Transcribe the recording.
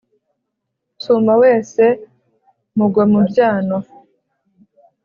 Nsuma wese mugwa mu byano,